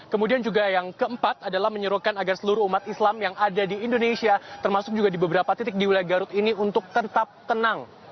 kemudian juga yang keempat adalah menyuruhkan agar seluruh umat islam yang ada di indonesia termasuk juga di beberapa titik di wilayah garut ini untuk tetap tenang